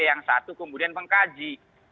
yang satu kemudian mengkaji